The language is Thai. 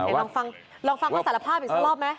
ลองฟังก่อนสารภาพอีกสักรอบไหม